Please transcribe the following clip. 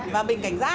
và mình cảnh giác